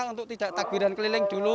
untuk tidak takbiran keliling dulu